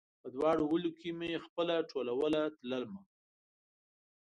په دواړ ولپو کې مې خپله ټولوله تلمه